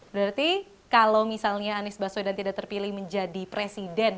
berarti kalau misalnya anies baswedan tidak terpilih menjadi presiden